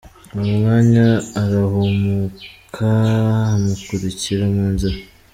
" Uwo mwanya arahumuka amukurikira mu nzira.